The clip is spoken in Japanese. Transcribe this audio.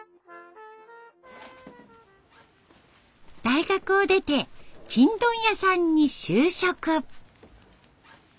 大学を出てちんどん屋さんに就職。